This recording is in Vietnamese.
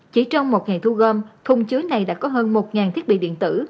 chỉ trong một ngày thu gom thùng chứa này đã có hơn một thiết bị điện tử